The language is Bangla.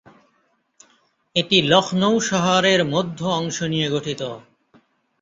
এটি লখনউ শহরের মধ্য অংশ নিয়ে গঠিত।